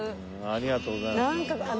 ありがとうございます。